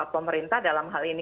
pemerintah dalam hal ini